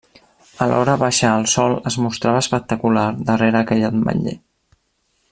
A hora baixa el sol es mostrava espectacular darrere aquell ametller.